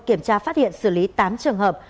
kiểm tra phát hiện xử lý tám trường hợp